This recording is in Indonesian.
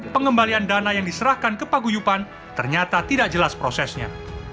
pengembalian dana yang diserahkan ke paguyupan ternyata tidak jelas prosesnya